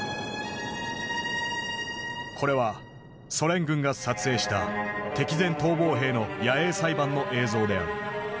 これはソ連軍が撮影した敵前逃亡兵の野営裁判の映像である。